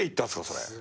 それ。